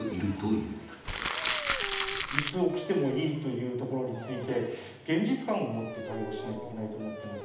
いつ起きてもいいというところについて現実感を持って対応しなきゃいけないと思っています。